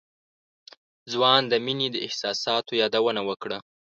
ځوان د مينې د احساساتو يادونه وکړه.